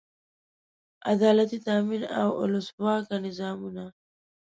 عدالتي تامین او اولسواکه نظامونه.